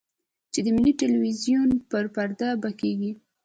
چې د ملي ټلویزیون پر پرده به کېږي.